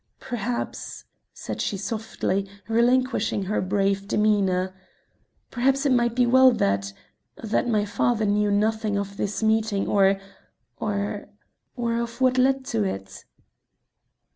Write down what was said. "Perhaps," said she softly, relinquishing her brave demeanour "perhaps it might be well that that my father knew nothing of this meeting, or or or of what led to it."